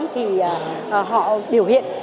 thì họ biểu hiện